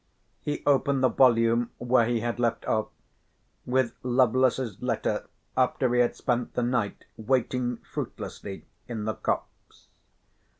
He opened the volume where he had left off, with Lovelace's letter after he had spent the night waiting fruitlessly in the copse.